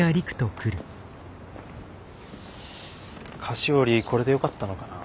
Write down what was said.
菓子折これでよかったのかな？